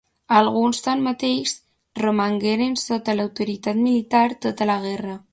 Alguns, tanmateix, romangueren sota l'autoritat militar tota la guerra.